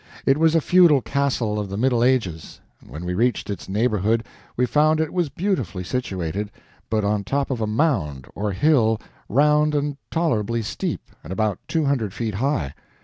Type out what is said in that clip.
It was a feudal castle of the Middle Ages. When we reached its neighborhood we found it was beautifully situated, but on top of a mound, or hill, round and tolerably steep, and about two hundred feet high.